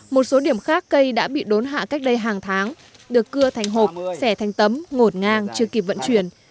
một số điểm khác cây đã bị đốn hạ cách đây hàng tháng được cưa thành hộp sẻ thành tấm ngột ngang chưa kịp vận chuyển